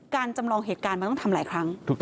จำลองเหตุการณ์มันต้องทำหลายครั้ง